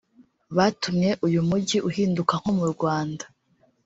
batumye uyu mujyi uhinduka nko mu Rwanda